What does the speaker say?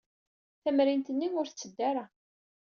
Tamrint-nni ur tetteddu ara.